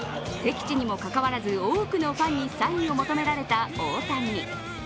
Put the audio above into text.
敵地にもかかわらず、多くのファンにサインを求められた大谷。